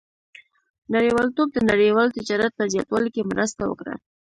• نړیوالتوب د نړیوال تجارت په زیاتوالي کې مرسته وکړه.